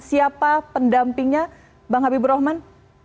siapa pendampingnya bang habibur rahman